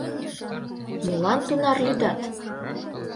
Молан тунар лӱдат?